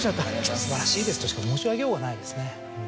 「素晴らしいです」としか申し上げようがないですね。